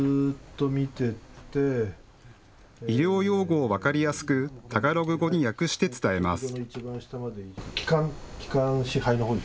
医療用語を分かりやすくタガログ語に訳して伝えます。